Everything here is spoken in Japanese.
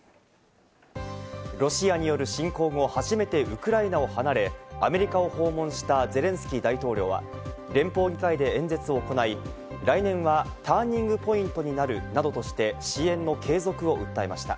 ロシアによる侵攻後、初めてウクライナを離れアメリカを訪問したゼレンスキー大統領は、連邦議会で演説を行い、来年はターニングポイントになるなどとして、支援の継続を訴えました。